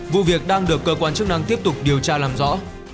vụ việc đang được cơ quan chức năng tiếp tục điều tra làm rõ